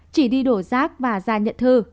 chỉ đi đổ rác và ra nhận thư